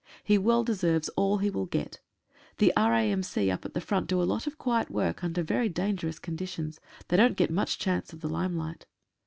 He well deserves all he will get. The R.A.M.C. up at the front do a lot of quiet work under very dangerous conditions — they don't get much chance of the limelight.